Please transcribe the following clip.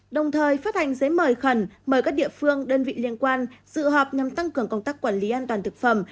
đồng thời phát hành giấy mời khẩn mời các địa phương đơn vị liên quan dự họp nhằm tăng cường công tác quản lý an toàn thực phẩm